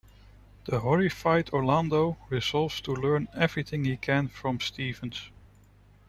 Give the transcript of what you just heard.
The horrified Orlando resolves to learn everything he can from Stevens.